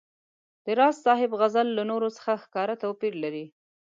د راز صاحب غزل له نورو څخه ښکاره توپیر لري.